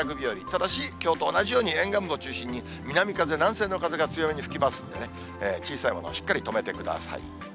ただし、きょうと同じように沿岸部を中心に南風、南西の風が強めに吹きますんでね、小さいものはしっかり留めてください。